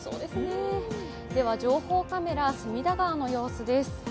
では情報カメラ、隅田川の様子です。